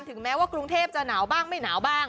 แม้ว่ากรุงเทพจะหนาวบ้างไม่หนาวบ้าง